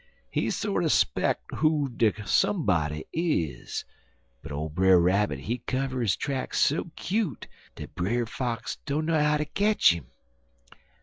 He sorter speck who de somebody is, but ole Brer Rabbit he cover his tracks so cute dat Brer Fox dunner how ter ketch 'im.